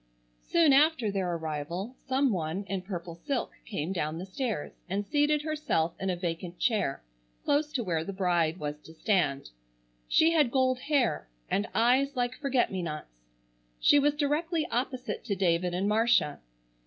Soon after their arrival some one in purple silk came down the stairs and seated herself in a vacant chair close to where the bride was to stand. She had gold hair and eyes like forget me nots. She was directly opposite to David and Marcia.